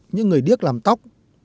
những người điếc làm tóc